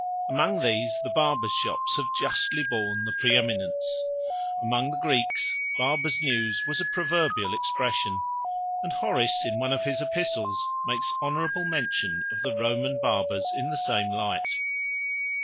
Among these, the barbers' shops have justly borne the pre eminence. Among the Greeks, barbers' news was a proverbial expression; and Horace, in one of his epistles, makes honourable mention of the Roman barbers in the same light.